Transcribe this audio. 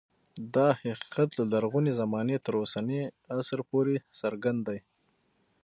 دا حقیقت له لرغونې زمانې تر اوسني عصر پورې څرګند دی